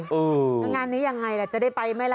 ทางร้านนี้อย่างไรแหละจะได้ไปไหมล่ะ